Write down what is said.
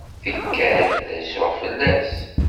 Tikkal, rezzuɣ fell-as.